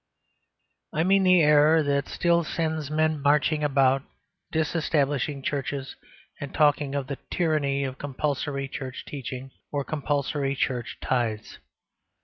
I mean the error that still sends men marching about disestablishing churches and talking of the tyranny of compulsory church teaching or compulsory church tithes.